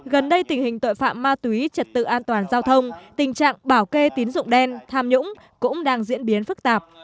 gần đây tình hình tội phạm ma túy trật tự an toàn giao thông tình trạng bảo kê tín dụng đen tham nhũng cũng đang diễn biến phức tạp